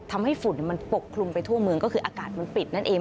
ฝุ่นมันปกคลุมไปทั่วเมืองก็คืออากาศมันปิดนั่นเอง